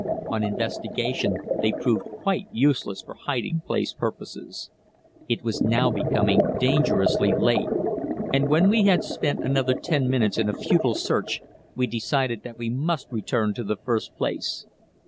On investigation they proved quite useless for hiding place purposes. It was now becoming dangerously late, and when we had spent another ten minutes in a futile search we decided that we must return to the first place.